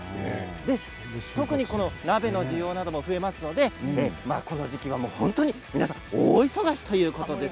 特にこのお鍋の需要なども増えますのでこの時期は本当に皆さん大忙しということです。